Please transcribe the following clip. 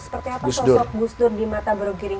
seperti apa sosok gus dur di mata buru giring